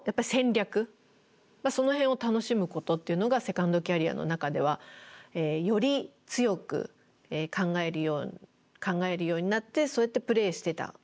その辺を楽しむことっていうのがセカンドキャリアの中ではより強く考えるようになってそうやってプレーしてた。